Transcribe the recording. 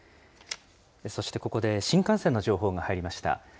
そしてここで、新幹線の情報が入りました。